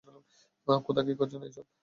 খোদা, কী করছেন এসব?